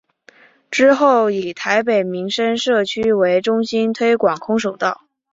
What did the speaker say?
之后以台北民生社区为中心推广空手道。